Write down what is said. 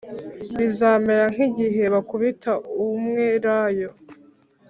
bizamera nk igihe bakubita umwelayo